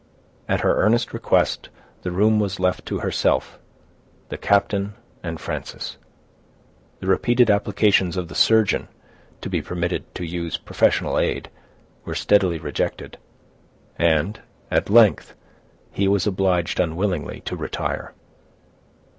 At her earnest request, the room was left to herself, the captain, and Frances. The repeated applications of the surgeon, to be permitted to use professional aid, were steadily rejected, and, at length, he was obliged unwillingly to retire.